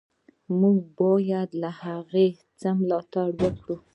موږ باید له هغه څه ملاتړ وکړو.